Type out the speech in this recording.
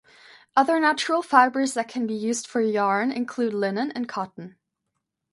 Other natural fibers that can be used for yarn include linen and cotton.